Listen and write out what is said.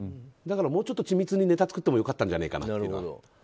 だからもうちょっと緻密にネタを作ってもよかったんじゃねえかなと。